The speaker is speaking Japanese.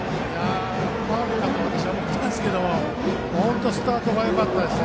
ファウルかと思ったんですけど本当にスタートがよかったです。